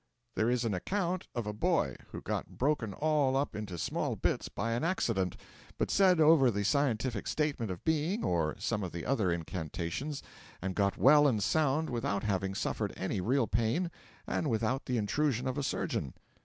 There is an account of a boy who got broken all up into small bits by an accident, but said over the Scientific Statement of Being, or some of the other incantations, and got well and sound without having suffered any real pain and without the intrusion of a surgeon.